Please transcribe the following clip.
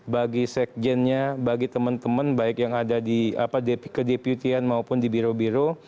bagi sekjennya bagi teman teman baik yang ada di kedeputian maupun di biro biro